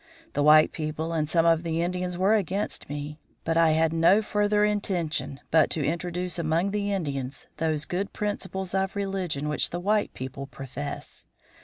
The white people and some of the Indians were against me, but I had no other intention but to introduce among the Indians those good principles of religion which the white people profess.